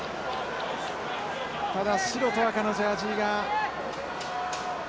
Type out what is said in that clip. ただ白と赤のジャージが。